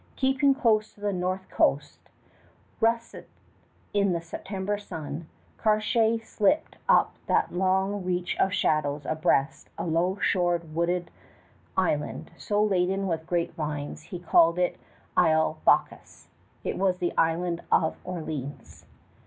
Keeping close to the north coast, russet in the September sun, Cartier slipped up that long reach of shallows abreast a low shored wooded island so laden with grapevines he called it Isle Bacchus. It was the Island of Orleans.